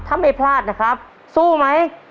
ถ้าไม่พลาดนะครับสู้ไหม